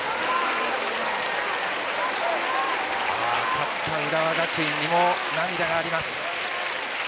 勝った浦和学院にも涙があります。